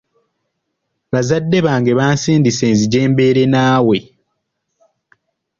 Bazadde bange bansindise nzije mbeere naawe.